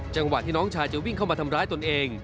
จังหวะที่น้องชายจะวิ่งเข้ามาทำร้ายตนเอง